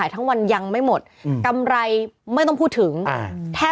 ทุกวันยังไม่อิ่มนะ